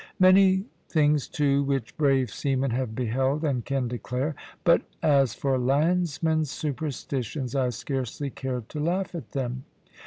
Many things, too, which brave seamen have beheld, and can declare; but as for landsmen's superstitions, I scarcely cared to laugh at them.